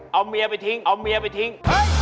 เอาเมียไปทิ้งเอาเมียไปทิ้ง